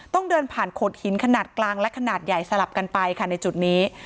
ต้องเดินผ่านโขดหินขนาดกลางและขนาดใหญ่สลับกันไปค่ะในจุดนี้